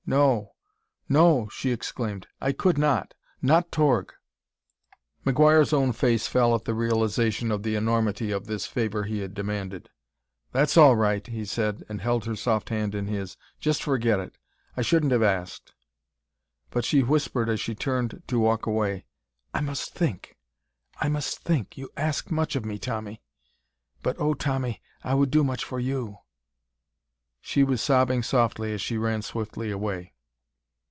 "No no!" she exclaimed; "I could not. Not Torg!" McGuire's own face fell at the realization of the enormity of this favor he had demanded. "That's all right," he said and held her soft hand in his; "just forget it. I shouldn't have asked." But she whispered as she turned to walk away: "I must think, I must think. You ask much of me, Tommy; but oh, Tommy, I would do much for you!" She was sobbing softly as she ran swiftly away.